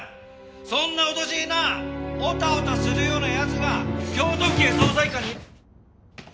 そんな脅しになオタオタするような奴が京都府警捜査一課に。